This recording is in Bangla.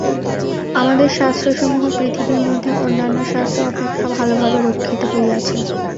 আমাদের শাস্ত্রসমূহ পৃথিবীর মধ্যে অন্যান্য শাস্ত্র অপেক্ষা ভালভাবে রক্ষিত হইয়াছে।